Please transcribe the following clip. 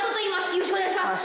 よろしくお願いします。